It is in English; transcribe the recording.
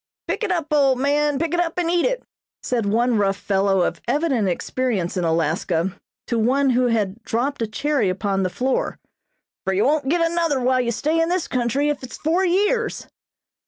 "Pick it up, old man, pick it up and eat it," said one rough fellow of evident experience in Alaska to one who had dropped a cherry upon the floor, "for you won't get another while you stay in this country, if it is four years!"